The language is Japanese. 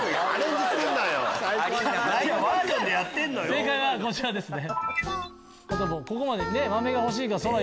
正解はこちらですね。